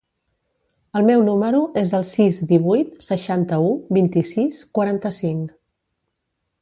El meu número es el sis, divuit, seixanta-u, vint-i-sis, quaranta-cinc.